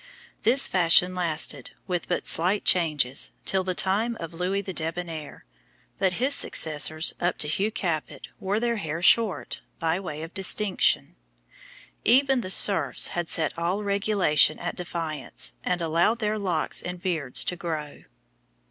This fashion lasted, with but slight changes, till the time of Louis the Debonnaire; but his successors, up to Hugh Capet, wore their hair short, by way of distinction. Even the serfs had set all regulation at defiance, and allowed their locks and beards to grow.